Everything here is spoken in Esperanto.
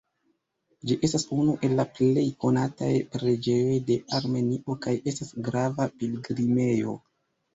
Ĝi estas unu el la plej konataj preĝejoj de Armenio kaj estas grava pilgrimejo.